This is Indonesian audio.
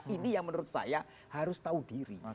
ini yang menurut saya harus tahu diri